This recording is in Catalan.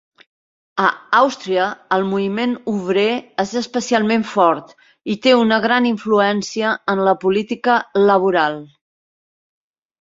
A Àustria, el moviment obrer és especialment fort i té una gran influència en la política laboral.